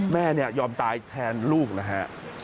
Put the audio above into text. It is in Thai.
แม่ยอมตายแทนลูกนะฮะ